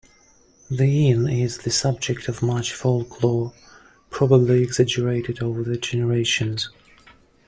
The Inn is the subject of much folklore - probably exaggerated over the generations.